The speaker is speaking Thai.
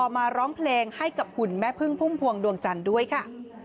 มาร้องเพลงให้กับหุ่นแม่พึ่งพุ่มพวงดวงจันทร์ด้วยค่ะ